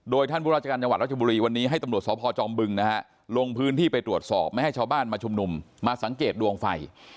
โดยท่านผู้ราชการจังหวัดรัชบุรีวันนี้ให้ตำรวจสพจอมบึงนะฮะลงพื้นที่ไปตรวจสอบไม่ให้ชาวบ้านมาชุมนุมมาสังเกตดวงไฟ